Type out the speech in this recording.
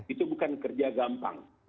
itu bukan kerja gampang